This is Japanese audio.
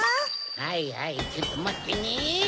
はいはいちょっとまってね。